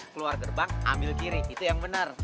keluar gerbang ambil kiri itu yang benar